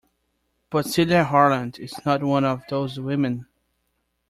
But Celia Harland is not one of those women.